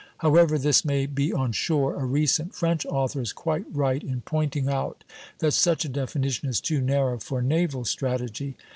However this may be on shore, a recent French author is quite right in pointing out that such a definition is too narrow for naval strategy.